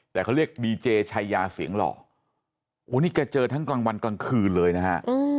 แต่เขาเรียกดีเจชายาเสียงหล่อโอ้นี่แกเจอทั้งกลางวันกลางคืนเลยนะฮะ